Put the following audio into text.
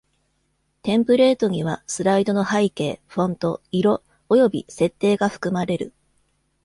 テンプレートには、スライドの背景、フォント、色、および設定が含まれる。